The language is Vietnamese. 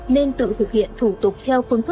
nên tự thực hiện thủ tục theo phương pháp